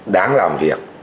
đáng làm việc